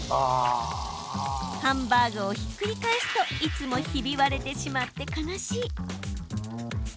ハンバーグをひっくり返すといつもひび割れてしまって悲しい。